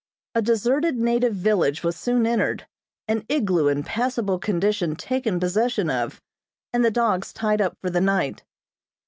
A deserted native village was soon entered, an igloo in passable condition taken possession of, and the dogs tied up for the night.